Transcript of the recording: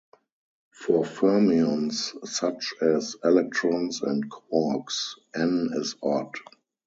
For fermions, such as electrons and quarks, "n" is odd.